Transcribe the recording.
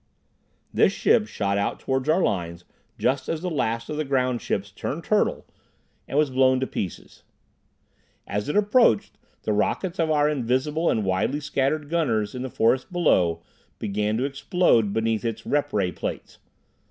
This ship shot out toward our lines just as the last of the groundships turned turtle and was blown to pieces. As it approached, the rockets of our invisible and widely scattered gunners in the forest below began to explode beneath its rep ray plates.